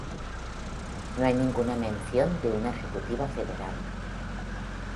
No hay ninguna mención de una ejecutiva federal.